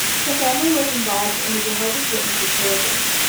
Her family was involved in the Jehovah's Witnesses religion.